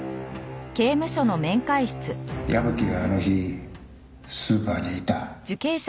矢吹はあの日スーパーにいた。